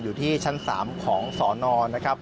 อยู่ที่ชั้น๓ของสนนะครับ